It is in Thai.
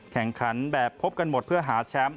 แข่งขันแบบพบกันหมดเพื่อหาแชมป์